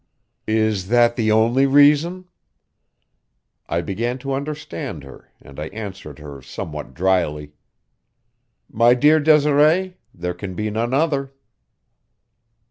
"Is that the only reason?" I began to understand her, and I answered her somewhat dryly: "My dear Desiree, there can be none other."